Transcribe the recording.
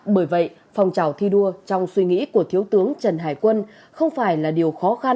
bởi vậy phòng trào thi đua trong suy nghĩ của thiếu tướng trần hải quân không phải là điều khó khăn